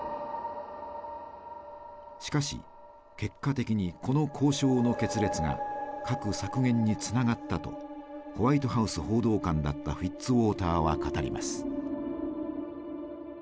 しかし結果的にこの交渉の決裂が核削減につながったとホワイトハウス報道官だったフィッツウォーターは語ります。